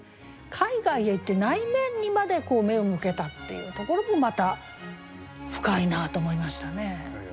海外へ行って内面にまで目を向けたっていうところもまた深いなと思いましたね。